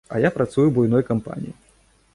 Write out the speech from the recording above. А я працую ў буйной кампаніі.